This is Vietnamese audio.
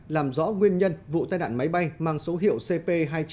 làm rõ nguyên nhân vụ tai nạn máy bay mang số hiệu cp hai nghìn chín trăm ba mươi ba